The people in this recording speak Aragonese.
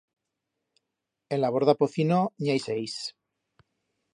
En la borda Pocino n'i hai seis.